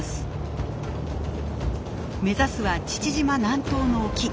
目指すは父島南東の沖。